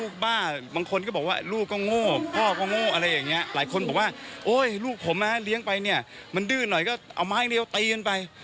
คนกลุ่มนึงเข้ามาด่าแรงอะ